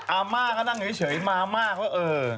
อาม่าก็นั่งเฉยมาม่าว่าเออ